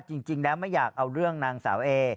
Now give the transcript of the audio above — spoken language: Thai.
จริงแล้วไม่อยากเอาเรื่องนางสาวเอ